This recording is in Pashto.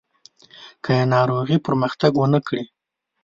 که یې ناروغي پرمختګ ونه کړي.